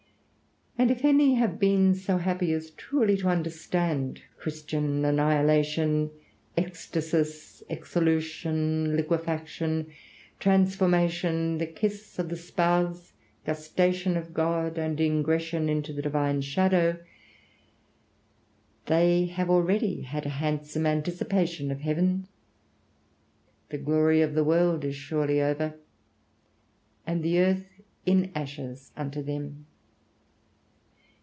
And if any have been so happy as truly to understand Christian annihilation, ecstasis, exolution, liquefaction, transformation, the kiss of the spouse, gustation of God, and ingression into the divine shadow, they have already had a handsome anticipation of heaven; the glory of the world is surely over, and the earth in ashes unto them.